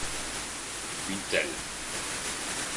Une telle.